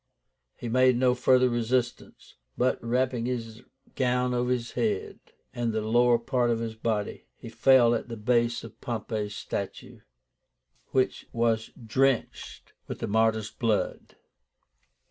He made no further resistance; but, wrapping his gown over his head and the lower part of his body, he fell at the base of POMPEY'S STATUE, which was drenched with the martyr's blood.